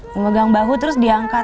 memegang bahu terus diangkat